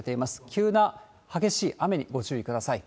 急な激しい雨にご注意ください。